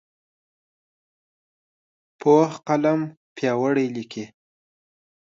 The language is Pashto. پوخ قلم پیاوړی لیکي